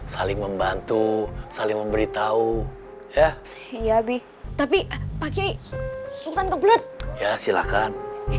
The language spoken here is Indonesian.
saling membantu saling memberitahu ya iya tapi pakai sultan kebetul silakan